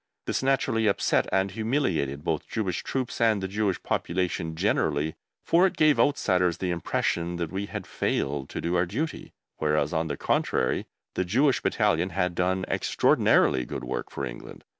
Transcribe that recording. This naturally upset and humiliated both Jewish troops and the Jewish population generally, for it gave outsiders the impression that we had failed to do our duty, whereas, on the contrary, the Jewish Battalion had done extraordinarily good work for England.